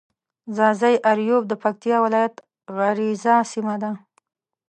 ځاځي اريوب د پکتيا ولايت غرييزه سيمه ده.